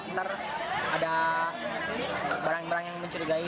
nanti ada barang barang yang mencurigai